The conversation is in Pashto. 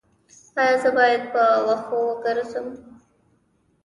ایا زه باید په وښو وګرځم؟